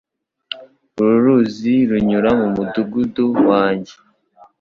Uru ruzi runyura mu mudugudu wanjye.